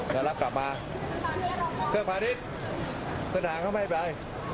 จะรับกลับมาเครื่องผ่านิดเครื่องผ่านเข้าไม่ไป